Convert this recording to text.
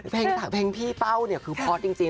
เพลงสักเพลงพี่เป้าเนี่ยคือพอสจริง